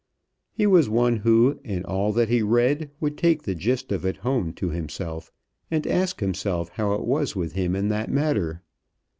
He was one who, in all that he read, would take the gist of it home to himself, and ask himself how it was with him in that matter.